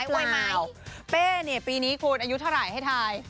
กล้วยไม้เป้เนี่ยปีนี้คุณอายุเท่าไหร่ให้ทาย